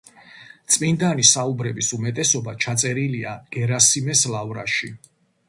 წმინდანის საუბრების უმეტესობა ჩაწერილია გერასიმეს ლავრაში.